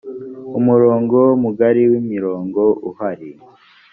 umurongo mugari w imirongo uhari